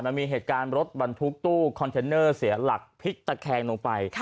มันมีเหตุการณ์รถบรรทุกตู้คอนเทนเนอร์เสียหลักพลิกตะแคงลงไป